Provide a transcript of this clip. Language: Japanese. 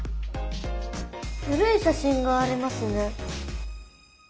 古い写真がありますね。